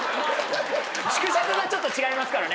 縮尺がちょっと違いますからね